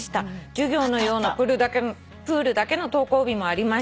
「授業のようなプールだけの登校日もありました」